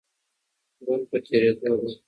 ژوند په تېرېدو دی.